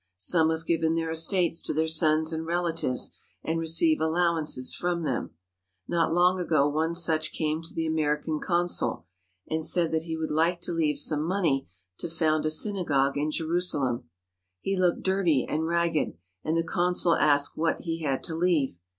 Some have given their estates to their sons and relatives, and receive al lowances from them. Not long ago one such came to the American consul, and said that he would like to leave some money to found a synagogue in Jerusalem. He looked dirty and ragged, and the consul asked what he had to leave.